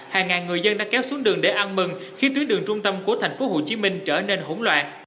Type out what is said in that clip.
hàng ngàn người dân đã kéo xuống đường để ăn mừng khiến tuyến đường trung tâm của thành phố hồ chí minh trở nên hỗn loạn